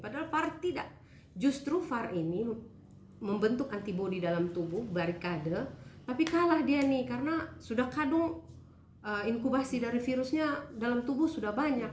dalam tubuh barikade tapi kalah dia nih karena sudah kadung inkubasi dari virusnya dalam tubuh sudah banyak